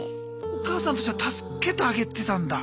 お母さんとしては助けてあげてたんだ。